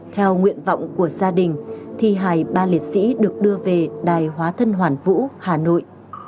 theo nguyện vọng của gia đình thi hài ba liệt sĩ được đưa về đài hóa thân hoàn vũ hà nội